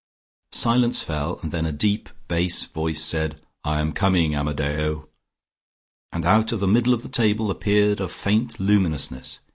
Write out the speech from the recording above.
Silence fell, and then a deep bass voice said, "I am coming, Amadeo!" and out of the middle of the table appeared a faint luminousness.